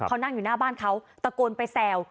เขานั่งอยู่หน้าบ้านเขาตะโกนไปแซว